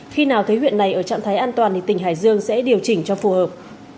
khi nào thấy huyện này ở trạng thái an toàn thì tỉnh hải dương sẽ điều chỉnh cho phù hợp